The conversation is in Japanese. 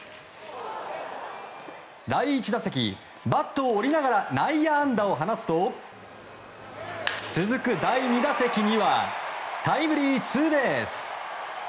第１打席、バットを折りながら内野安打を放つと続く第２打席にはタイムリーツーベース。